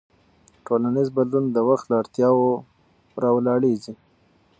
ټولنیز بدلون د وخت له اړتیاوو راولاړېږي.